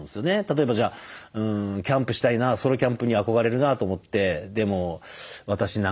例えばじゃあキャンプしたいなソロキャンプに憧れるなと思って「でも私なんか何も知らないから」